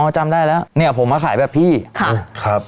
จำได้แล้วเนี่ยผมมาขายแบบพี่ค่ะครับ